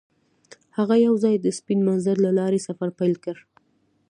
هغوی یوځای د سپین منظر له لارې سفر پیل کړ.